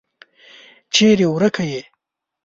چیري ورکه یې ؟